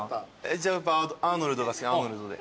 じゃあアーノルドが好きアーノルドで。